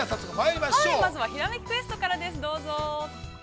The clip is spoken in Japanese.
◆まずは「ひらめきクエスト」からです、どうぞ。